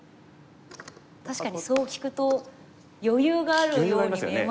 確かにそう聞くと余裕があるように見えますね。